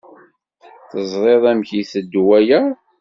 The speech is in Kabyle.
Teẓṛiḍ amek i iteddu waya?